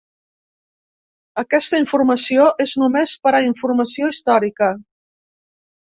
"Aquesta informació és només per a informació històrica".